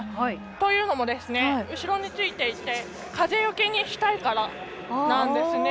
というのも、後ろについていて風よけにしたいからなんですね。